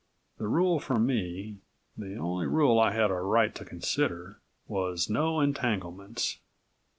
The rule for me the only rule I had a right to consider was no entanglements.